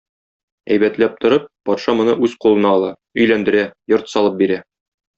Әйбәтләп торып, патша моны үз кулына ала, өйләндерә, йорт салып бирә.